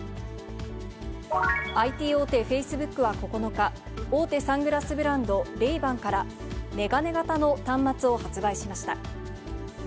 ＩＴ大手、フェイスブックは９日、大手サングラスブランド、レイバンから、眼鏡型の端末を発売しました。